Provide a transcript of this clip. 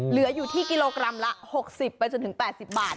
เหลืออยู่ที่กิโลกรัมละ๖๐ไปจนถึง๘๐บาท